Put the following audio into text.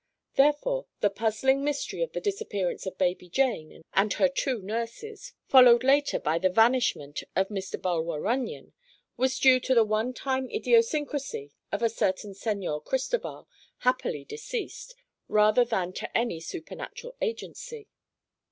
Therefore, the puzzling mystery of the disappearance of baby Jane and her two nurses, followed later by the vanishment of Mr. Bulwer Runyon, was due to the one time idiosyncracy of a certain Señor Cristoval, happily deceased, rather than to any supernatural agency.